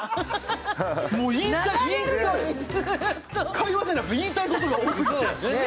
会話じゃなくて、言いたいことが多くて。